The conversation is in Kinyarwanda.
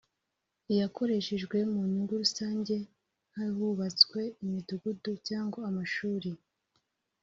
iyakoreshejwe mu nyungu rusange nk’ahubatswe imidugudu cyangwa amashuri